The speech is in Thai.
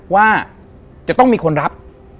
ว่าจะต้องมีคนรับ